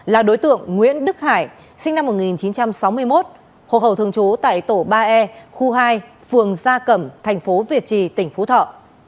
là đối tượng nguyễn đức hải sinh năm một nghìn chín trăm sáu mươi một hộp hậu thường trú tại tổ ba e khu hai phường gia cẩm tp việt trì tỉnh phú thọ